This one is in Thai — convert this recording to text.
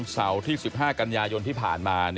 เสาร์ที่๑๕กันยายนที่ผ่านมา